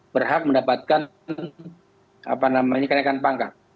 berhak mendapatkan kenaikan pangkat